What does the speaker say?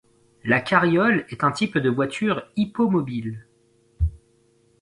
la carriole est un type de voiture hippomobile